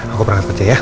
aku berangkat kerja ya